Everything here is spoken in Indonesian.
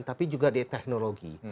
tapi juga di teknologi